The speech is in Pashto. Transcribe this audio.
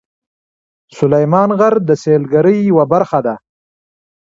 سلیمان غر د سیلګرۍ یوه برخه ده.